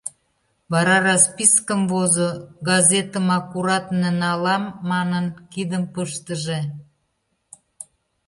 Вара распискым возо: «газетым аккуратне налам» манын, кидым пыштыже.